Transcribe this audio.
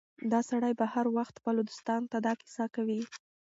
دا سړی به هر وخت خپلو دوستانو ته دا کيسه کوي.